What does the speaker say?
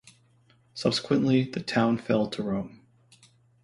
Subsequently, the town fell to Rome.